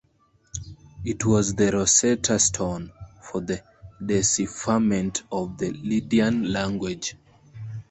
It was the "Rosetta Stone" for the decipherment of the Lydian language.